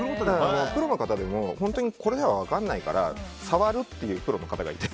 プロの方でも本当にこれでは分からないから触るっていうプロの方がいて。